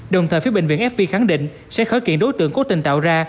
đồng thời phía bệnh viện fv khẳng định sẽ khởi kiện đối tượng cố tình tạo ra